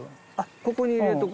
ここに入れとく。